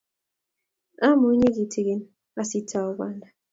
amunyii kitikin asiotou banda